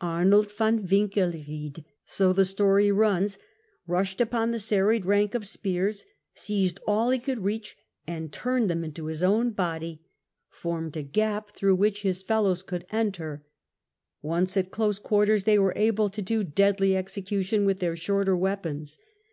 Arnold von Winkelried, so the story runs, rushed upon the serried ranks of spears, seized all he could reach, and turning them into his own body, formed a gap through which his fellows could enter : once at close quarters they were able to do deadly execution with their shorter weapons.